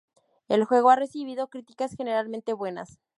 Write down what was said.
El juego ha recibido críticas generalmente buenas.